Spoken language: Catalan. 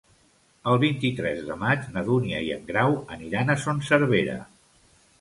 El vint-i-tres de maig na Dúnia i en Grau aniran a Son Servera.